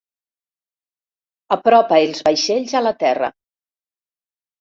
Apropa els vaixells a la terra.